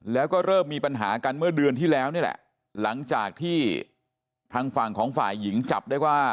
แล้วก็เริ่มมีปัญหากันเมื่อเดือนที่แล้วนี่แหละหลังจากที่ทางฝั่งของฝ่ายหญิงจับได้ว่า